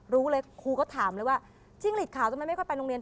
รู้เลยครูก็ถามเลยว่าจิ้งหลีดขาวทำไมไม่ค่อยไปโรงเรียน